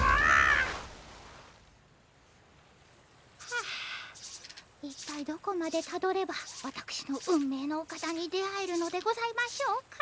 はあ一体どこまでたどればわたくしの運命のお方に出会えるのでございましょうか。